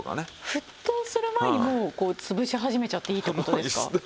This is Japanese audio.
沸騰する前にもうこうつぶし始めちゃっていいって事ですか？